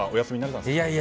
いやいや。